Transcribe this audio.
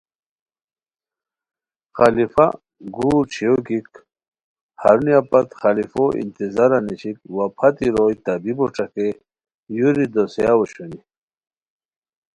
خلیفہ گور چھویو گیک ہرونیہ پت خلیفو انتظارہ نیشیک وا پھتی روئے طبیبو ݯاکئے یُوری دوسیاؤ اوشونی